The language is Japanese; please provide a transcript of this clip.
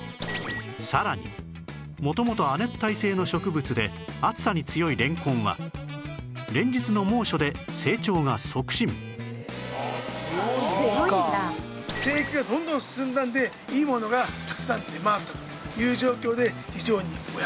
さらに元々亜熱帯性の植物で暑さに強いれんこんは連日の猛暑で成長が促進生育がどんどん進んだのでいいものがたくさん出回ったという状況で非常にお安い。